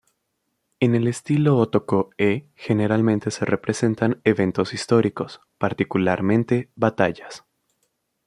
En el estilo "Otoko-e" generalmente se representa eventos históricos, particularmente batallas.